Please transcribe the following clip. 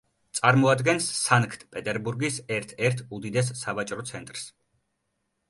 წარმოადგენს სანქტ-პეტერბურგის ერთ-ერთ უდიდეს სავაჭრო ცენტრს.